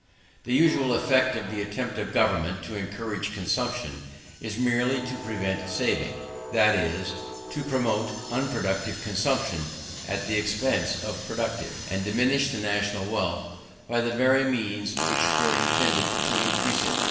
The usual effect of the attempts of government to encourage consumption, is merely to prevent saving; that is, to promote unproductive consumption at the expense of reproductive, and diminish the national wealth by the very means which were intended to increase it.